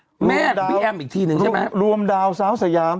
พี่แอมอีกทีนึงใช่ไหมรวมดาวสาวสยาม